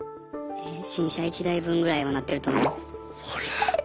え新車１台分ぐらいはなってると思います。